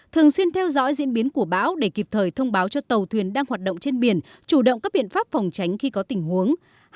thường xuyên theo dõi diễn biến của bão để kịp thời thông báo cho tàu thuyền đang hoạt động trên biển chủ động các biện pháp phòng tránh khi có tình huống